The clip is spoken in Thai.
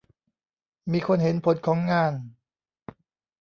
มีคนเห็นผลของงาน